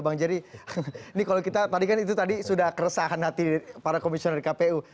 bang jerry ini kalau kita tadi kan itu tadi sudah keresahan hati para komisioner kpu